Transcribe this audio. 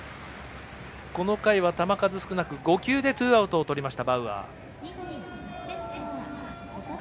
この回は球数少なく５球でツーアウトをとりました。